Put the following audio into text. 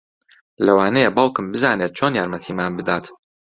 لەوانەیە باوکم بزانێت چۆن یارمەتیمان بدات